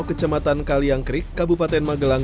kecematan kaliangkrik kabupaten magelang